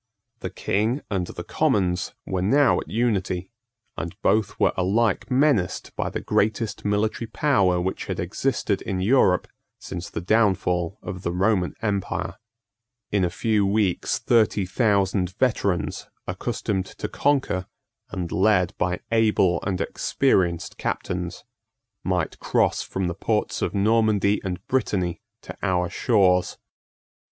The King and the Commons were now at unity; and both were alike menaced by the greatest military power which had existed in Europe since the downfall of the Roman empire. In a few weeks thirty thousand veterans, accustomed to conquer, and led by able and experienced captains, might cross from the ports of Normandy and Brittany to our shores.